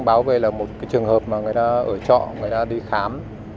báo về là một cái trường hợp mà người ta ở trọ người ta đi khám